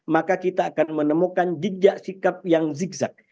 maka kita akan menemukan jejak sikap yang zigzag